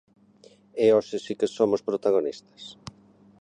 E hoxe si que somos protagonistas.